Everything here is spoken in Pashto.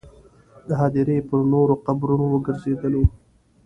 د هدیرې پر نورو قبرونو وګرځېدلو.